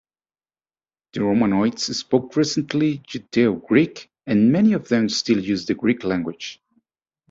The Romaniotes spoke recently Judaeo-Greek and many of them still use the Greek language.